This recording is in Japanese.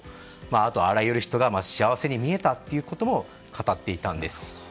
あと、あらゆる人が幸せに見えたということも語っていたんです。